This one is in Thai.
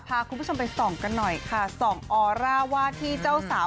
พาคุณผู้ชมไปส่องกันหน่อยค่ะส่องออร่าว่าที่เจ้าสาว